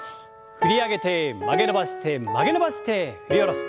振り上げて曲げ伸ばして曲げ伸ばして振り下ろす。